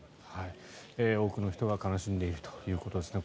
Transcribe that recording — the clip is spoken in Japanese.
多くの人が悲しんでいるということですね。